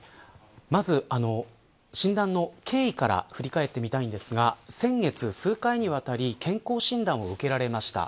まず診断の経緯から振り返ってみたいんですが先月、数回にわたり健康診断を受けられました。